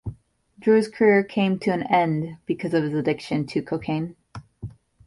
Drew's career came to an end because of his addiction to cocaine.